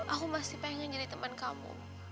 aku masih pengen jadi teman kamu